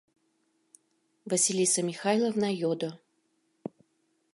— Василиса Михайловна йодо.